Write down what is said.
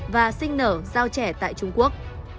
và sinh nở giao trẻ tại trung quốc